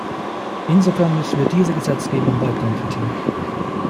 Insofern müssen wir diese Gesetzgebung weiterentwickeln.